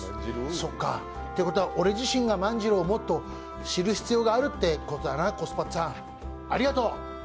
そっか、てことは俺自身が万次郎をもっと知る必要があるってことだな、コス八さん、ありがとう。